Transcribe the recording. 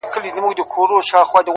اوس مي تعويذ له ډېره خروښه چاودي ـ